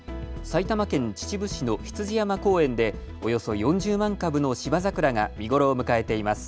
埼玉県秩父市の羊山公園でおよそ４０万株のシバザクラが見頃を迎えています。